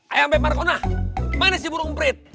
ayam beb marcona mana si burung perit